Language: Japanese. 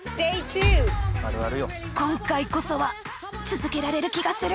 今回こそは続けられる気がする。